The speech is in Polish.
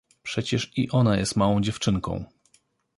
— Przecież i ona jest małą dziewczynką.